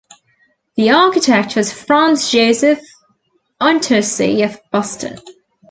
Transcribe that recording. The architect was Franz Joseph Untersee of Boston.